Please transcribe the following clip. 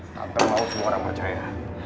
tante mau semua orang percaya